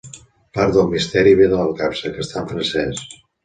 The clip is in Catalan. Part del misteri ve de la capsa, que està en francès.